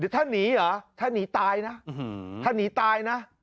ถ้าหนีเหรอถ้าหนีตายนะถ้าหนีตายนะ